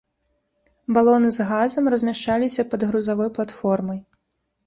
Балоны з газам размяшчаліся пад грузавой платформай.